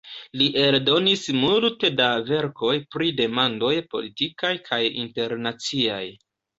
Li eldonis multe da verkoj pri demandoj politikaj kaj internaciaj.